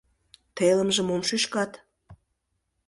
Телымже мом шӱшкат?